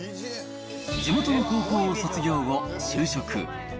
地元の高校を卒業後、就職。